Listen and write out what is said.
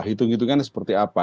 hitung hitungannya seperti apa